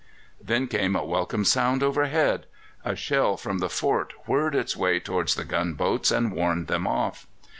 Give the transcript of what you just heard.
Then came a welcome sound overhead. A shell from the fort whirred its way towards the gunboats and warned them off.